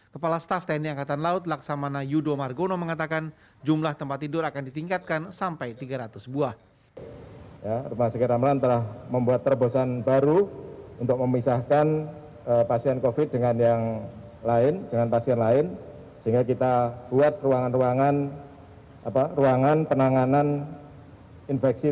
kepala staff tni angkatan laut laksamana yudo margono mengatakan jumlah tempat tidur akan ditingkatkan sampai tiga ratus buah